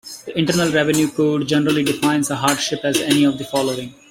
The Internal Revenue Code generally defines a hardship as any of the following.